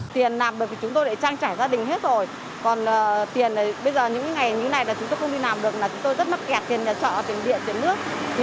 tiền làm bởi vì chúng tôi lại trang trải gia đình hết rồi còn tiền bây giờ những ngày như này là chúng tôi không đi làm được là chúng tôi rất mắc kẹt tiền nhà trọ tiền điện tiền nước